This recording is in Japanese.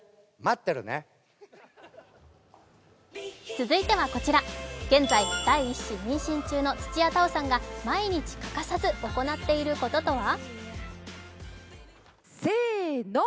続いてはこちら、現在、第１子妊娠中の土屋太鳳さんが毎日欠かさず行っていることとは？